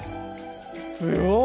すごい！